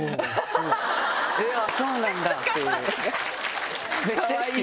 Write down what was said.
「いやぁそうなんだ！」っていう。